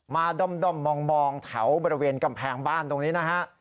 ด้อมมองแถวบริเวณกำแพงบ้านตรงนี้นะฮะ